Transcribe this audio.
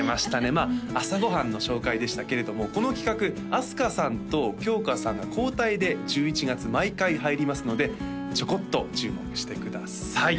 まあ朝ご飯の紹介でしたけれどもこの企画あすかさんときょうかさんが交代で１１月毎回入りますのでちょこっと注目してください